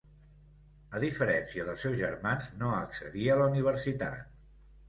A diferència dels seus germans no accedí a la Universitat.